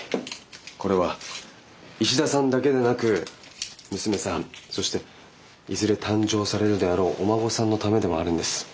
これは石田さんだけでなく娘さんそしていずれ誕生されるであろうお孫さんのためでもあるんです。